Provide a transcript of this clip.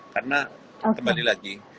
karena kembali lagi